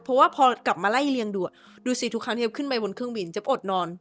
เพราะว่าพอกลับมาไล่เลียงดูดูสิทุกครั้งที่เจ๊บขึ้นไปบนเครื่องบินเจ๊อดนอน